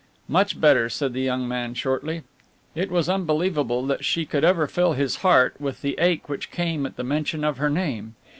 "Much better," said the young man shortly. It was unbelievable that she could ever fill his heart with the ache which came at the mention of her name.